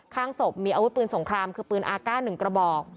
ข้างศพมีอาวุธปืนสงครามคือปืนอาก้า๑กระบอก